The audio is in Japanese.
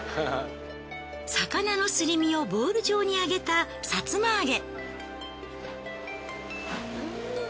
魚のすり身をボール状に揚げたさつま揚げ。